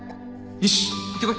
よし行ってこい